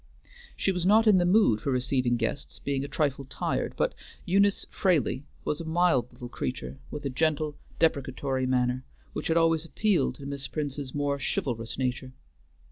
She was not in the mood for receiving guests, being a trifle tired, but Eunice Fraley was a mild little creature, with a gentle, deprecatory manner which had always appealed to Miss Prince's more chivalrous nature.